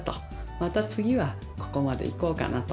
また次はここまで行こうかなと。